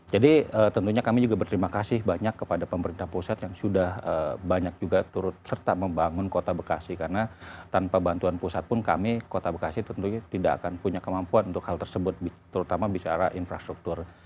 jadi tentunya kami juga berterima kasih banyak kepada pemerintah pusat yang sudah banyak juga turut serta membangun kota bekasi karena tanpa bantuan pusat pun kami kota bekasi tentunya tidak akan punya kemampuan untuk hal tersebut terutama bisara infrastruktur